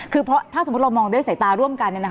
คือถ้าสมมุติเรามองด้วยสายตาร่วมกัน